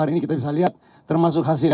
hari ini kita bisa lihat termasuk hasil